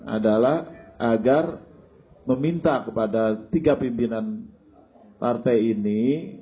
adalah agar meminta kepada tiga pimpinan partai ini